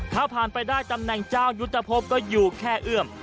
ถ้าผ่านไปได้ตำแหน่งเจ้ายุทธภพก็อยู่แค่เอื้อม